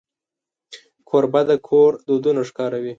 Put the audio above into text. کوربه د کور دودونه ښکاروي.